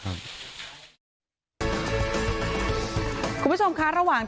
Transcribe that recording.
การแก้เคล็ดบางอย่างแค่นั้นเอง